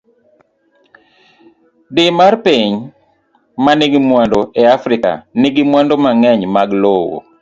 D. mar Pinje ma nigi mwandu e Afrika, nigi mwandu mang'eny mag lowo.